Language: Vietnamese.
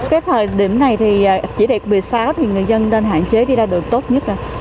kết hợp điểm này thì chỉ để một mươi sáu thì người dân nên hạn chế đi ra đường tốt nhất